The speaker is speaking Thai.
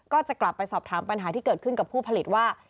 ก็จะกลับไปสอบถามปัญหาที่เกิดขึ้นกับผู้ผลิตว่า